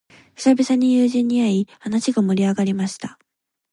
久々に友人に会い、話が盛り上がりました。